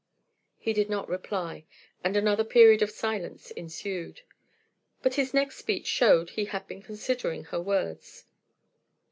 He did not reply, and another period of silence ensued. But his next speech showed he had been considering her words.